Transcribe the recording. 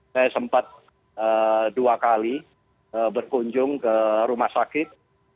saya sempat dua kali berkunjung ke rumah sakit